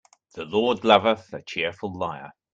The Lord loveth a cheerful liar.